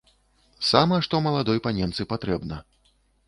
Сама што маладой паненцы патрэбна.